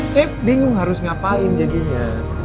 saya bingung harus ngapain jadinya